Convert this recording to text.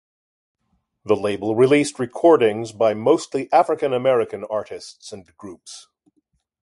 The label released recordings by mostly African American artists and groups.